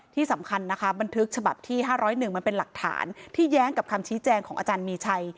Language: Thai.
ที่สำคัญนะคะบันทึกฉบับที่๕๐๑มันเป็นหลักฐานที่แย้งกับคำชี้แจงของอาจารย์มีชัย